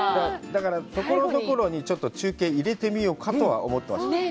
だから、ところどころに中継を入れてみようかとは思ってます。